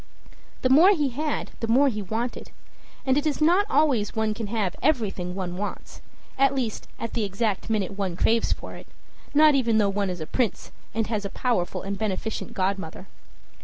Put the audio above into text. The more he had, the more he wanted; and it is not always one can have everything one wants at least, at the exact minute one craves for it; not even though one is a prince, and has a powerful and beneficent godmother.